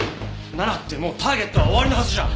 ７ってもうターゲットは終わりのはずじゃ。